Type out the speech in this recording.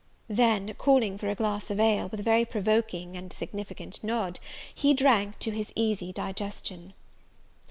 Then, calling for a glass of ale, with a very provoking and significant nod, he drank to his easy digestion.